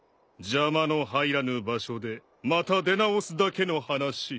邪魔の入らぬ場所でまた出直すだけの話。